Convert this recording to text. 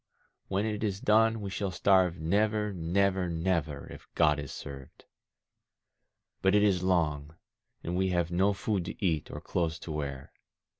When it is done we shall starve never, never, never, if God is served. But it is long, and we have no food to eat, or clothes to wear.